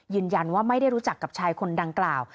ยืนยันว่าไม่ได้รู้จักกับชายคนดังกล่าว